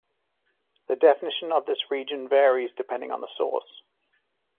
The definition of this region varies, depending on the source.